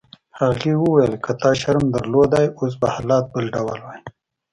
هغې وویل: که تا شرم درلودای اوس به حالات بل ډول وای.